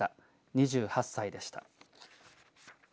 ２８歳でした。